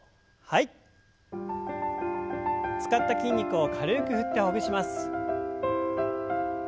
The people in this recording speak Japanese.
使った筋肉を軽く振ってほぐします。